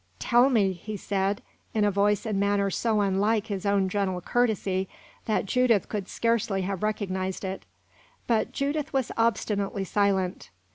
"Tell me!" he said, in a voice and manner so unlike his own gentle courtesy, that Judith could scarcely have recognized it. But Judith was obstinately silent.